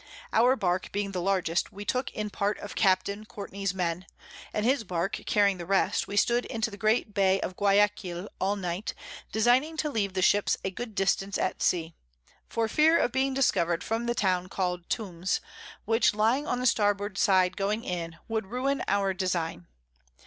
Our Bark being the largest, we took in part of Capt. Courtney's Men; and his Bark carrying the rest, we stood into the great Bay of Guiaquil all night, designing to leave the Ships a good distance at Sea, for fear of being discover'd from the Town call'd Tombes, which lying on the Starboard side going in, would ruin our Design.